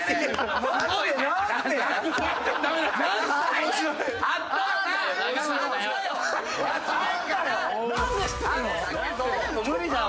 もう無理だわ。